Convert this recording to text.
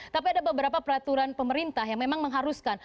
tapi ada beberapa peraturan pemerintah yang memang mengharuskan